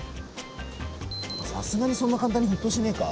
さすがにそんな簡単に沸騰しねえか？